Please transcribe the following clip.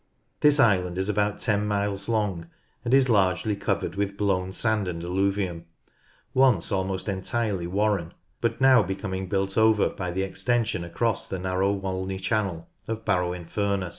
This island is about 10 miles long, and is largely co\ered with blown sand and alluvium, once almost entirely warren, but now becoming built over by the extension across the narrow Walney channel of Barrow in Furness.